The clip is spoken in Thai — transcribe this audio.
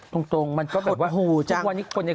จริงมันก็แบบว่าทุกส่วนนี้โหจัง